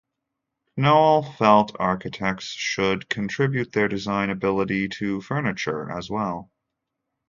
Knoll felt architects should contribute their design ability to furniture as well.